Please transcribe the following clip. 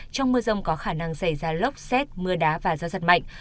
trong mưa rông có khả năng xảy ra lốc xét mưa đá và gió giật mạnh